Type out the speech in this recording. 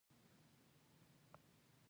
په افغانستان کې د آب وهوا تاریخ اوږد دی.